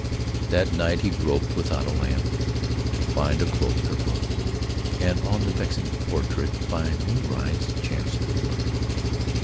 That night he groped without a lamp To find a cloak, a book, And on the vexing portrait By moonrise chanced to look.